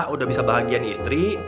udah bisa bahagia istri